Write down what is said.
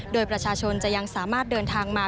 โดยประชาชนจะยังสามารถเดินทางมา